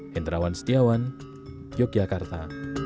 hendrawan setiawan yogyakarta